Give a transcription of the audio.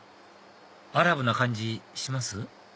アラブな感じします？